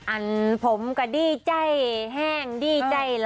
อันผมก็ดีใจแห้งดีใจไหล